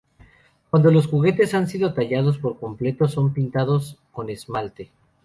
Cuando los juguetes han sido tallados por completo, son pintados con esmalte.